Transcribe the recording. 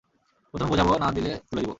প্রথমে বুঝাবো, না দিলে তুলে নিবো!